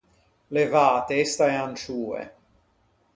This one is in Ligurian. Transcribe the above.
Levâ a testa a-e ancioe.